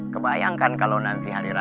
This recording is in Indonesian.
kebayangkan kalau nanti hari raya